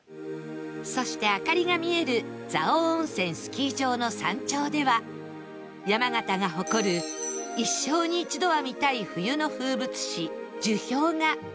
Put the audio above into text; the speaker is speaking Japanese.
そして明かりが見える蔵王温泉スキー場の山頂では山形が誇る一生に一度は見たい冬の風物詩樹氷が